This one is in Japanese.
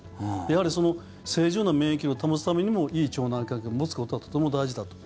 やはり正常な免疫力を保つためにもいい腸内環境を持つことはとても大事だと。